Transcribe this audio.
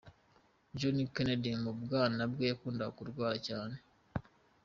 John Kennedy mu bwana bwe yakundaga kurwara cyane.